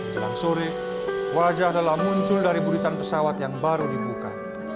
jelang sore wajah adalah muncul dari buritan pesawat yang baru dibuka